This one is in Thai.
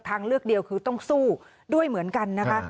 ทางเลือกเดียวคือต้องสู้ด้วยเหมือนกันนะคะ